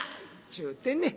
ちゅうてね